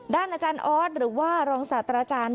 อาจารย์ออสหรือว่ารองศาสตราจารย์